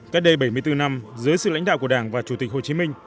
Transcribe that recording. cách đây bảy mươi bốn năm dưới sự lãnh đạo của đảng và chủ tịch hồ chí minh